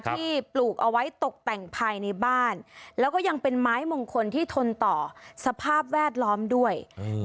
ปลูกเอาไว้ตกแต่งภายในบ้านแล้วก็ยังเป็นไม้มงคลที่ทนต่อสภาพแวดล้อมด้วย